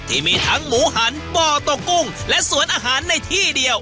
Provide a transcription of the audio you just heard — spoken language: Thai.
ที่มีทั้งหมูหันบ่อตกกุ้งและสวนอาหารในที่เดียว